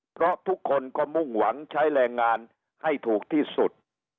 เพราะทุกคนก็มุ่งหวังใช้แรงงานให้ถูกที่สุด